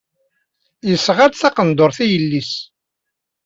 Yesɣa-d taqendurt i yelli-s.